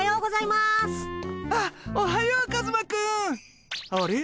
あっおはようカズマくん。あれ？